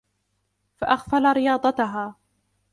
فَأَغْفَلَ رِيَاضَتَهَا